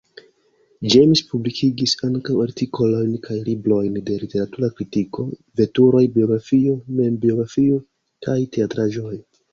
James publikigis ankaŭ artikolojn kaj librojn de literatura kritiko, veturoj, biografio, membiografio kaj teatraĵojn.